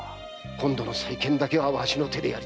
今度の再建だけはわしの手でやりたい。